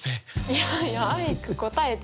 いやいやアイク答えてないから。